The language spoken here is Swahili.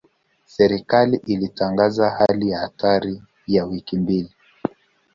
Serikali ilitangaza hali ya hatari ya wiki mbili.